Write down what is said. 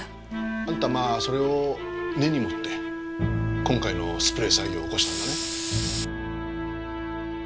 あんたはそれを根に持って今回のスプレー騒ぎを起こしたんだね？